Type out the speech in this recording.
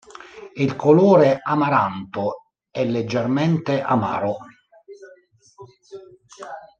È di colore amaranto e leggermente amaro.